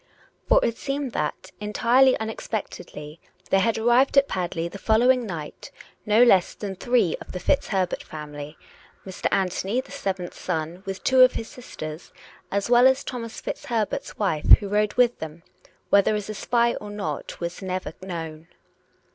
For it seemed that, entirely unexpectedly, there had arrived at Padley the following night no less than three of the FitzHerbert family, Mr. Anthony the seventh son, with two of his sisters, as well as Thomas FitzHerbert's wife, who rode with them, whether as a spy or not was never known.